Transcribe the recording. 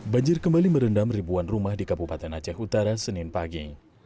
banjir kembali merendam ribuan rumah di kabupaten aceh utara senin pagi